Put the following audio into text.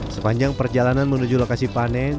sepanjang perjalanan menuju lokasi panen